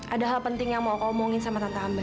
ada hal penting yang mau kau omongin sama tante ambar